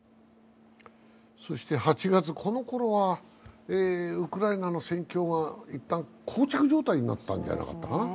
８月、このころはウクライナの戦況が一旦、こう着状態になったんじゃなかったかな。